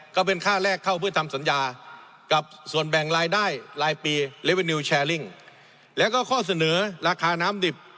ก็เป็นค่าแรกเข้าเพื่อทำสัญญากับส่วนแบ่งรายได้รายปีและก็ข้อเสนอราคาน้ำดิบ